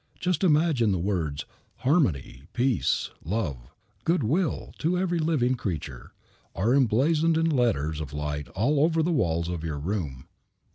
Just imagine that the words "Harmony," "Peace," "Love," "Good Will to every living creature," are emblazoned in letters of light all over the walls of your room.